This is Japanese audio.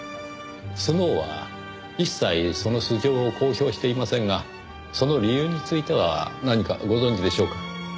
スノウは一切その素性を公表していませんがその理由については何かご存じでしょうか？